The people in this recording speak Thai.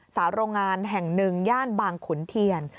สาวโรงงานแห่งหนึ่งย่านบางขุนเทียน